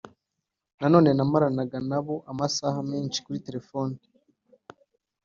Nanone namaranaga na bo amasaha menshi kuri telefoni